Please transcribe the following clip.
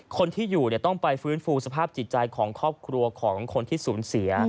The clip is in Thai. คนที่อยู่ต้องไปฟื้นฟูสภาพจิตใจของครอบครัวของคนที่สูญเสีย